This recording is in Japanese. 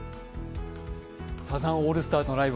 サザンオールスターズのライブ